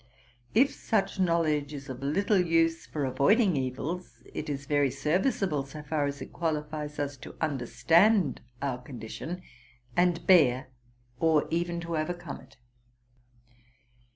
if such knowledge is of little use for avoiding evils, it is very serviceable so far as it qualifies us to understand our condition, and bear or even to overcome it.